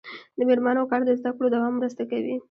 د میرمنو کار د زدکړو دوام مرسته کوي.